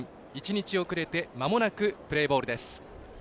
１日遅れてまもなくプレーボールです。